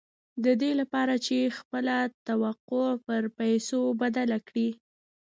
د دې لپاره چې خپله توقع پر پيسو بدله کړئ.